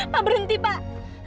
pak berhenti pak